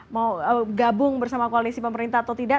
mau gabung bersama koalisi pemerintah atau tidak